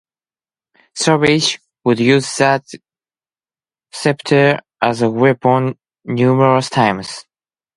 Savage would use that scepter as a weapon numerous times.